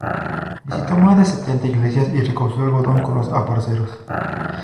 Visitó más de setenta iglesias y recogió algodón con los aparceros.